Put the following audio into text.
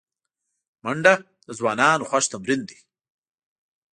منډه د ځوانانو خوښ تمرین دی